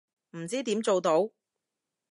唔知點做到